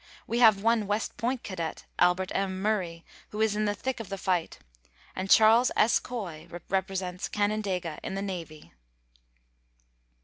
We have one West Point cadet, Albert M. Murray, who is in the thick of the fight, and Charles S. Coy represents Canandaigua in the navy.